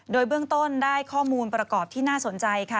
โดยเบื้องต้นได้ข้อมูลประกอบที่น่าสนใจค่ะ